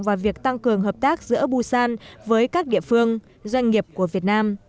và việc tăng cường hợp tác giữa busan với các địa phương doanh nghiệp của việt nam